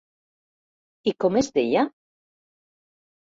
I com es deia?